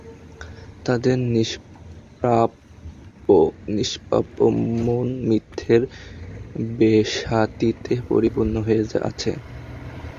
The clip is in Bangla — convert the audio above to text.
তাদের নিষ্পাপ মন মিথ্যের বেসাতীতে পরিপূর্ণ হয়ে আছে!